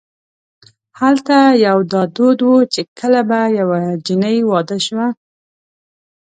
هلته یو دا دود و چې کله به یوه جنۍ واده شوه.